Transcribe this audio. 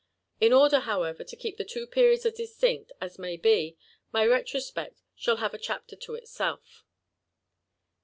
In order, however, to keep the two periods as distinct as nuiy be, my retrospect shall have a chapter to itself.